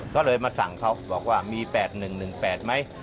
ก็เลยมาสั่งเขาบอกว่ามี๘๑๑๘ไหม